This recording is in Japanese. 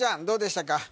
どうでしたか？